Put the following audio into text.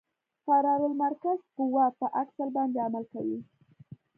فرار المرکز قوه په اکسل باندې عمل کوي